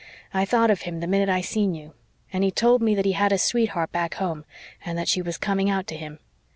I thought of him the minute I seen you. And he told me that he had a sweetheart back home and that she was coming out to him.